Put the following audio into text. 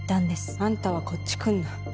あんたはこっち来んな